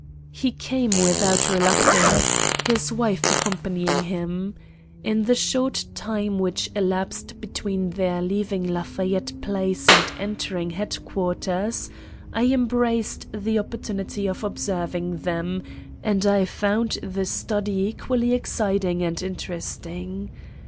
He came without reluctance, his wife accompanying him. In the short time which elapsed between their leaving Lafayette Place and entering Headquarters, I embraced the opportunity of observing them, and I found the study equally exciting and interesting.